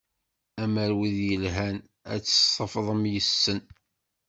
Amer wid yelhan ad tt-ṣefḍem yes-sen.